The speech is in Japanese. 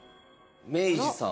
明治さん。